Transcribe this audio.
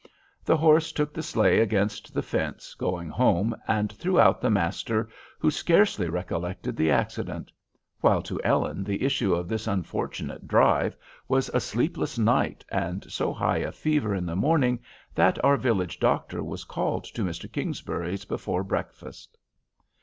The horse took the sleigh against the fence, going home, and threw out the master, who scarcely recollected the accident; while to Ellen the issue of this unfortunate drive was a sleepless night and so high a fever in the morning that our village doctor was called to Mr. Kingsbury's before breakfast.